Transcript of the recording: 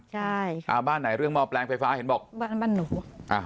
ใช่อ่าบ้านไหนเรื่องหม้อแปลงไฟฟ้าเห็นบอกบ้านบ้านหนูอ่า